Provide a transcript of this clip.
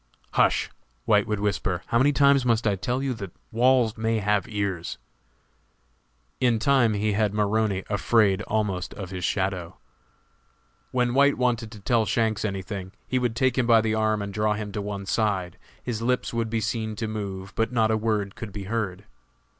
"Hush," White would whisper, "how many times must I tell you that walls may have ears?" In time he had Maroney afraid almost of his own shadow. When White wanted to tell Shanks any thing, he would take him by the arm and draw him to one side; his lips would be seen to move, but not a word could be heard.